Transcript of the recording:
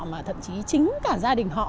mà thậm chí chính cả gia đình họ